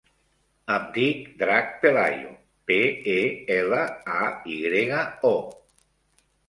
Em dic Drac Pelayo: pe, e, ela, a, i grega, o.